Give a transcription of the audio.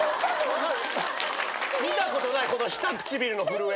見たことないこの下唇の震え。